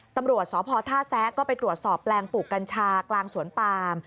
ตำรวจสพท่าแซะก็ไปตรวจสอบแปลงปลูกกัญชากลางสวนปาม